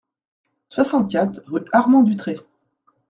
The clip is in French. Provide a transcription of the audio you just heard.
soixante-quatre rue Armand Dutreix